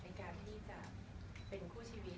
ในการที่จะเป็นคู่ชีวิต